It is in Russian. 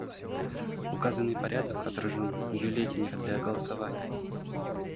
Указанный порядок отражен в бюллетенях для голосования.